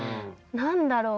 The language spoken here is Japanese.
何だろう？